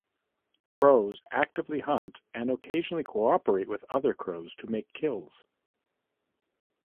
Crows actively hunt and occasionally co-operate with other crows to make kills.